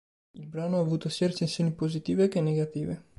Il brano ha avuto sia recensioni positive che negative.